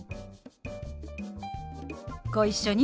ご一緒に。